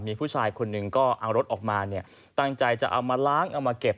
มีผู้ชายคนหนึ่งก็เอารถออกมาเนี่ยตั้งใจจะเอามาล้างเอามาเก็บ